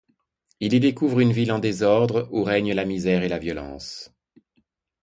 Il y découvre une ville en désordre, où règnent la misère et la violence.